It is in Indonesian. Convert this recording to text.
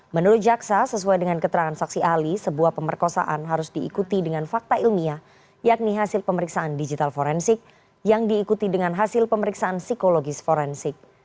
menurut jaksa sesuai dengan keterangan saksi ahli sebuah pemerkosaan harus diikuti dengan fakta ilmiah yakni hasil pemeriksaan digital forensik yang diikuti dengan hasil pemeriksaan psikologis forensik